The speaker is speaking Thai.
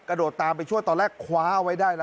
กระโดดตามไปช่วยตอนแรกคว้าเอาไว้ได้